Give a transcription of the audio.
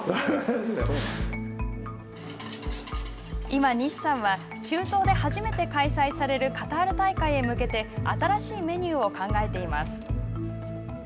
今、西さんは中東で初めて開催されるカタール大会へ向けて新しいメニューを考えています。